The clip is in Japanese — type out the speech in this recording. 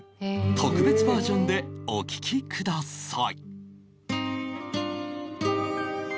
特別バージョンでお聴きください